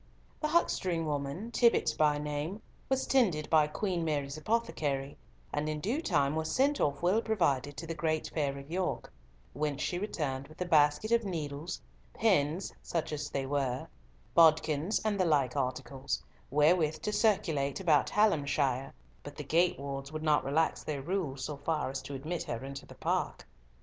The huckstering woman, Tibbott by name, was tended by Queen Mary's apothecary, and in due time was sent off well provided, to the great fair of York, whence she returned with a basket of needles, pins (such as they were), bodkins, and the like articles, wherewith to circulate about Hallamshire, but the gate wards would not relax their rules so far as to admit her into the park.